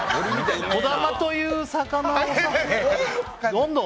児玉という魚をどんどん。